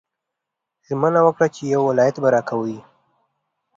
ژمنه وکړه چې یو ولایت به راکوې.